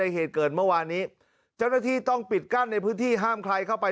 เหตุเกิดเมื่อวานนี้เจ้าหน้าที่ต้องปิดกั้นในพื้นที่ห้ามใครเข้าไป